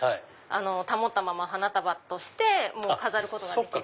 保ったまま花束としても飾ることができるので。